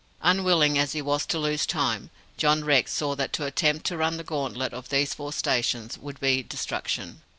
Unwilling as he was to lose time, John Rex saw that to attempt to run the gauntlet of these four stations would be destruction.